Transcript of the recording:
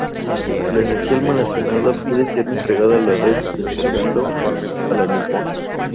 La energía almacenada puede ser entregada a la red descargando al anillo.